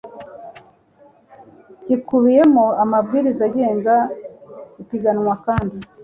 gikubiyemo amabwiriza agenga ipiganwa kandi